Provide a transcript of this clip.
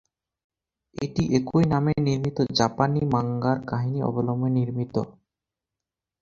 এটি একই নামে নির্মিত জাপানি মাঙ্গার কাহিনী অবলম্বনে নির্মিত।